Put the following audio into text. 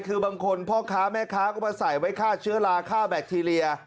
คือบางคนพ่อค้าแม่ค้าก็มาใส่ไว้ฆ่าเชื้อลาค่าแบคทีเรีย